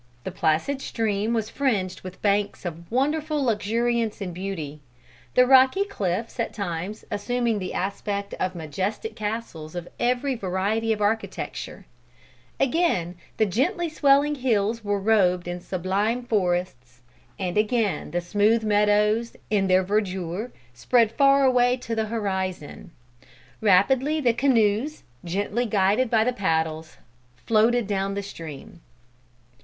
The placid stream was fringed with banks of wonderful luxuriance and beauty, the rocky cliffs at times assuming the aspect of majestic castles of every variety of architecture; again the gently swelling hills were robed in sublime forests, and again the smooth meadows, in their verdure, spread far away to the horizon. Rapidly the canoes, gently guided by the paddles, floated down the stream.